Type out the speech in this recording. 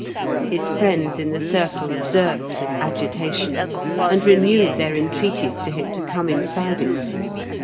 His friends in the circle observed his agitation, and renewed their entreaties to him to come inside it.